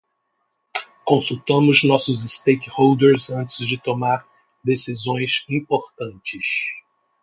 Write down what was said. Consultamos nossos stakeholders antes de tomar decisões importantes.